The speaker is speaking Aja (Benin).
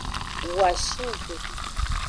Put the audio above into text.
Woa shi ju.